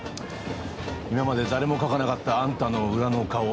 今まで誰も書かなかったあんたの裏の顔